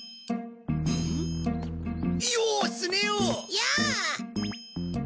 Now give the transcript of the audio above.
やあ！